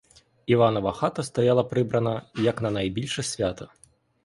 Іванова хата стояла прибрана, як на найбільше свято.